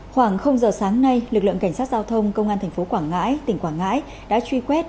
khoảng giờ sáng nay lực lượng cảnh sát giao thông công an tp quảng ngãi tỉnh quảng ngãi đã truy quét